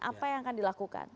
apa yang akan dilakukan